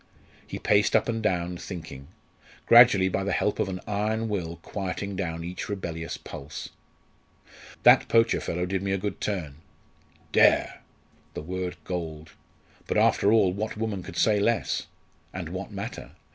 He paced up and down, thinking; gradually, by the help of an iron will quieting down each rebellious pulse. "That poacher fellow did me a good turn. Dare! the word galled. But, after all, what woman could say less? And what matter?